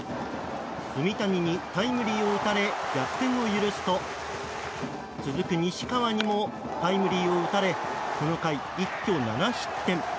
炭谷にタイムリーを打たれ逆転を許すと続く西川にもタイムリーを打たれこの回、一挙７失点。